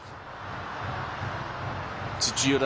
土浦